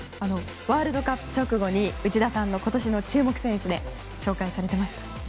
ワールドカップ直後に内田さんが今年の注目選手で紹介されていました。